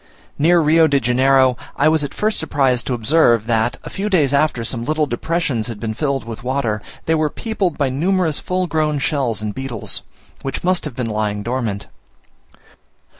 Near Rio de Janeiro, I was at first surprised to observe, that, a few days after some little depressions had been filled with water, they were peopled by numerous full grown shells and beetles, which must have been lying dormant.